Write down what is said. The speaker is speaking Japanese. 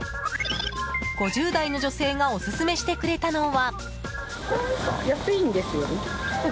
５０代の女性がオススメしてくれたのは。